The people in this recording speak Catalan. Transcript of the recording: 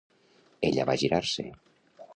Ella va girar-se.